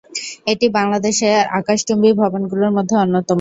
এটি বাংলাদেশের আকাশচুম্বী ভবনগুলোর মধ্যে অন্যতম।